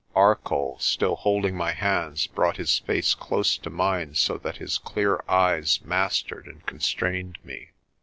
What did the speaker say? Arcoll, still holding my hands, brought his face close to mine so that his clear eyes mastered and constrained me.